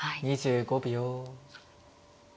２５秒。